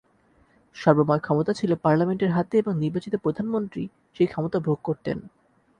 সর্বময় ক্ষমতা ছিলো পার্লামেন্টের হাতে এবং নির্বাচিত প্রধানমন্ত্রী সেই ক্ষমতা ভোগ করতেন।